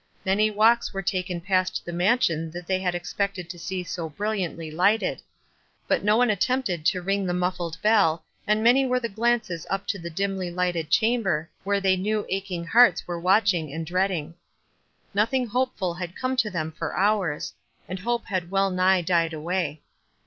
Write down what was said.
Many walks were taken past the mansion that they had expected to see so brilliantly lighted ; but no one at tempted to ring the muffled bell, and many were the glances up to the dimly lighted chamber, where the} r knew aching hearts were watching and dreading. Nothing hopeful had come to them for hours, and hope had well nigh died away.